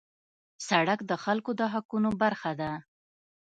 سړک د خلکو د حقونو برخه ده.